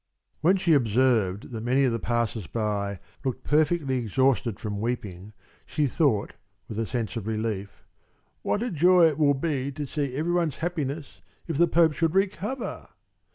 When she observed that many of the passers by looked perfectly exhausted from weeping, she thought with a sense of relief: "What a joy it would be to see everybody's happiness if the Pope should recover!"